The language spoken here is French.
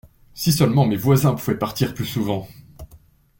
Si seulement mes voisins pouvaient partir plus souvent.